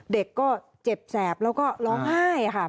เด็กก็เจ็บแสบแล้วก็ร้องไห้ค่ะ